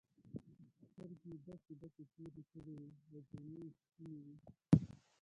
سترګې یې ډکې ډکې تورې کړې وې او جامې یې سپینې وې.